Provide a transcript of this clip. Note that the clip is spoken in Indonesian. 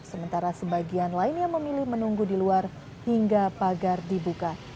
sementara sebagian lainnya memilih menunggu di luar hingga pagar dibuka